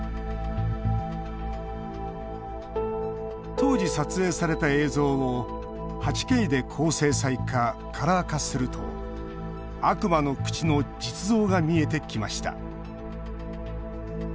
当時、撮影された映像を８Ｋで高精細化、カラー化すると悪魔の口の実像が見えてきました。